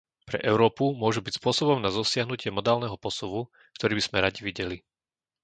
Pre Európu môžu byť spôsobom na dosiahnutie modálneho posuvu, ktorý by sme radi videli.